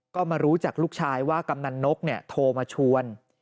ก็มารู้จากลูกชายว่ากำนันนกโทรมาชวน